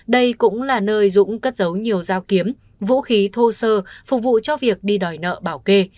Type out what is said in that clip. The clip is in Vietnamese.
đây cũng là nơi dũng cất giấu nhiều dao kiếm vũ khí thô sơ phục vụ cho việc đi đòi nợ bảo kê